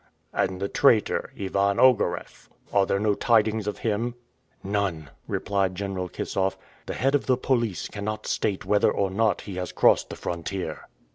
"And the traitor Ivan Ogareff, are there no tidings of him?" "None," replied General Kissoff. "The head of the police cannot state whether or not he has crossed the frontier."